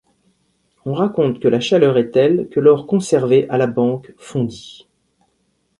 On raconte que la chaleur était telle que l'or conservé à la banque, fondit.